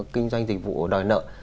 kinh doanh dịch vụ đòi nợ